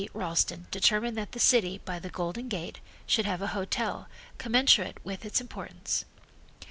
Ralston determined that the city by the Golden Gate should have a hotel commensurate with its importance.